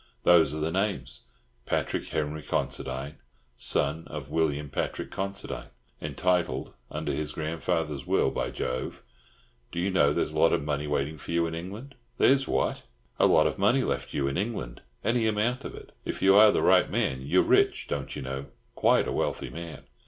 "Those are the names, Patrick Henry Considine, son of William Patrick Considine. Entitled under his grandfather's will—by Jove, do you know there's a lot of money waiting for you in England?" "There's what?" "A lot of money left you. In England. Any amount of it. If you are the right man, you're rich, don't you know. Quite a wealthy man."